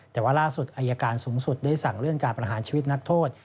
แต่ว่าล่าสุดอายการสูงสุดได้สั่งเลื่อนการประหารชีวิตนักโทษ